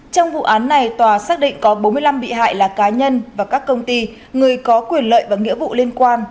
trong vụ án này tòa xác định có bốn mươi năm bị hại là cá nhân và các công ty người có quyền lợi và nghĩa vụ liên quan